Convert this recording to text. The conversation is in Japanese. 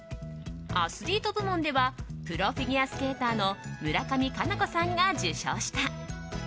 アスリート部門ではプロフィギュアスケーターの村上佳菜子さんが受賞した。